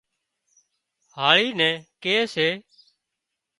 هاۯِي نين ڪي سي